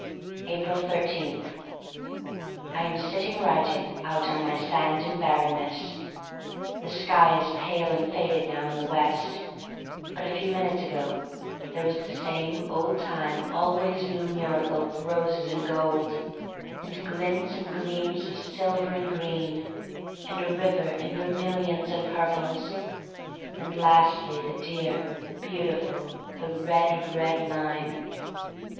Bptfl 13* I AM sitting writing out on my sand and barrenness. The sky is pale and faded now in the west, but a few minutes ago there was the same old time, always new miracle of roses and gold, and glints and gleams of silver and green, and a river in vermilions and purples — and lastly the dear, the beautiful: the red, red line.